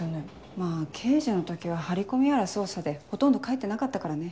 まぁ刑事の時は張り込みやら捜査でほとんど帰ってなかったからね。